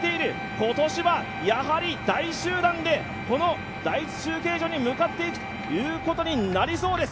今年はやはり大集団でこの第１中継所に向かっていくことになりそうです。